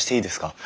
はい。